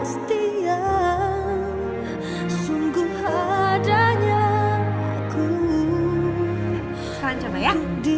sekarang kamu coba ya